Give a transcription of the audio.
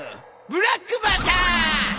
ブラックマター！